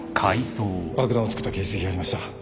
爆弾を作った形跡がありました